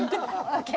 ＯＫ。